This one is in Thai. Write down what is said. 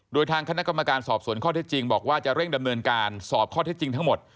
โดยทางคณะกรรมการสอบสวนข้อเท็จจริงบอกว่าจะเร่งดำเนินการสอบข้อเท็จจริงทั้งหมด